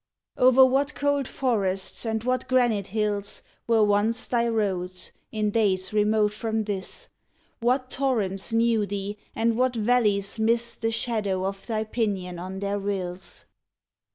O er what cold forests and what granite hills Were once thy roads, in days remote from this? What torrents knew thee and what valleys miss The shadow of thy pinion on their rills?